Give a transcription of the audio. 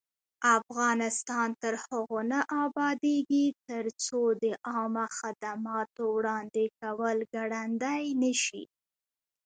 افغانستان تر هغو نه ابادیږي، ترڅو د عامه خدماتو وړاندې کول ګړندی نشي.